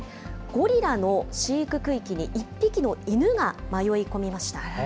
ゴリラの飼育区域に１匹の犬が迷い込みました。